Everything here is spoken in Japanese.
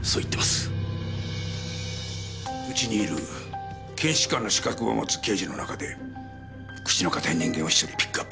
うちにいる検視官の資格を持つ刑事の中で口の堅い人間を１人ピックアップしろ。